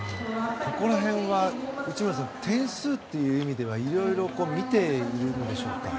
ここら辺は、内村さん点数という意味ではいろいろ見ているんでしょうか？